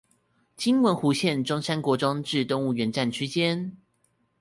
今文湖線中山國中至動物園站區間